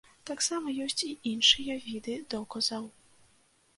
Таксама ёсць і іншыя віды доказаў.